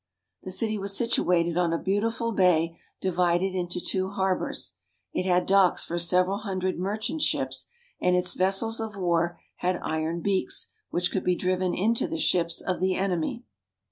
The cit}' was situated on a beautiful bay divided into two harbors ; it had docks for several hundred merchant ships, and its vessels of war had iron beaks which could be driven into the ships of the enemy.